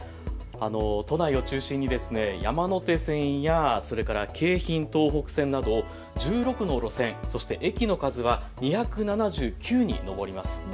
都内を中心に山手線や京浜東北線など１６の路線、そして駅の数は２７９に上ります。